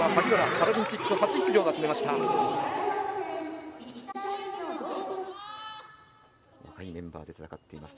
パラリンピック初出場の選手が決めました。